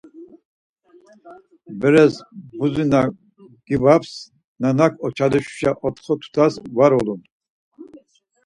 Berez budzi na gyubamz nanak oçalişuşa otxo tutaz var ulun.